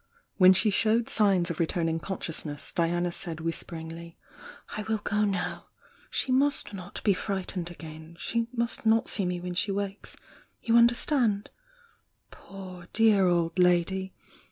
When she showed signs of returning consciousness Diana said whisperingly: "I will go now! She must not be frightened again — she must not see me when she wakes. You understand? Poor, dear old lady!